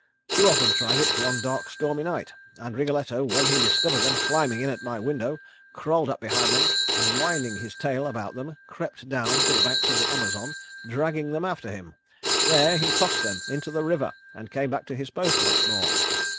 Two of them tried it one dark stormy night, and Wriggletto when he discovered them climbing in at my window, crawled up behind them and winding his tail about them crept down to the banks of the Amazon, dragging them after him. There he tossed them into the river, and came back to his post once more."